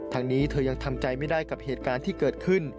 ทางนี้เธอยังทำใจไม่ได้กับเหตุการณ์ที่เกิดขึ้น